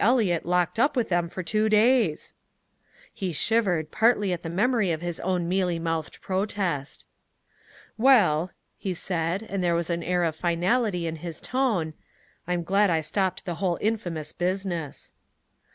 Eliot locked up with them for two days!" He shivered, partly at the memory of his own mealy mouthed protest. "Well," he said, and there was an air of finality in his tone, "I'm glad I stopped the whole infamous business."